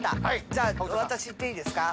じゃあ私いっていいですか？